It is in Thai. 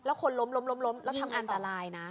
แล้วคนล้มแล้วทำงานตลายนะ